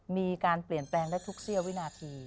มีการเปลี่ยนแปลงได้ทุกเสี้ยววินาที